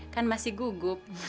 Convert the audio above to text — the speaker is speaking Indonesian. kan masih gugup